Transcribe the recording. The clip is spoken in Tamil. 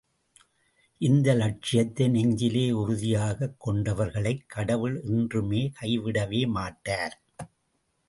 இந்த லட்சியத்தை நெஞ்சிலே உறுதியாகக் கொண்டவர்களைக் கடவுள் என்றும் கைவிடவே மாட்டார்!